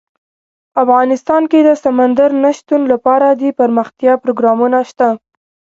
افغانستان کې د سمندر نه شتون لپاره دپرمختیا پروګرامونه شته.